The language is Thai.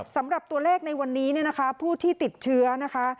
สำหรับตัวเลขในวันนี้เนี่ยนะคะผู้ที่ติดเชื้อนะคะ